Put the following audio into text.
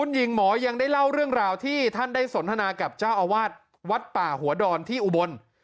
หญิงหมอยังได้เล่าเรื่องราวที่ได้สนทนากับาวาทแวทป่าหัวดรที่อุบล